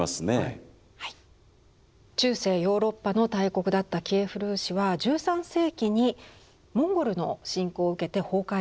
中世ヨーロッパの大国だったキエフ・ルーシは１３世紀にモンゴルの侵攻を受けて崩壊をします。